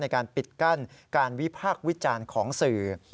ในการปิดกั้นการวิพากษ์วิจารณ์ของสื่อ